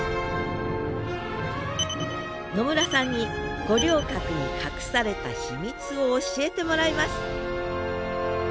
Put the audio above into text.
野村さんに五稜郭に隠された秘密を教えてもらいます